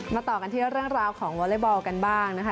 ต่อกันที่เรื่องราวของวอเล็กบอลกันบ้างนะคะ